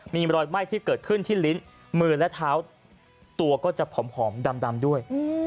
มีรอยไหม้ที่เกิดขึ้นที่ลิ้นมือและเท้าตัวก็จะผอมดำด้วย